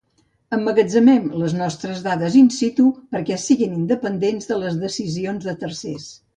Emmagatzemem les nostres dades 'in situ' perquè siguin independents de les decisions de tercers.